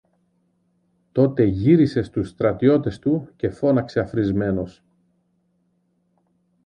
Τότε γύρισε στους στρατιώτες του και φώναξε αφρισμένος